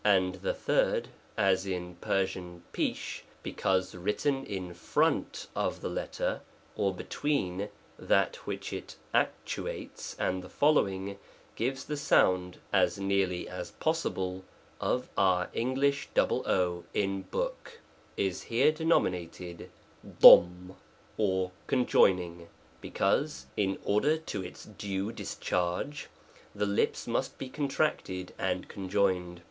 And the third, as in Persian Pesh* because written in front of the letter (9) or between that which it actuates and the following, giving the sound as nearly as possible, pf qur English pa, in 0o/t, is here denominated ^a Zum, or conjoining, because, in order to its due discharge, the lips must be contracted and conjoined.